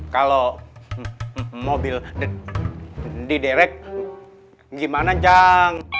kalau mobil diderek gimana jang